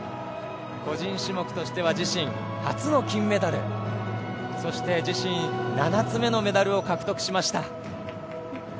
個人種目としては自身初の金メダル。そして自身７つ目のメダルを獲得しました。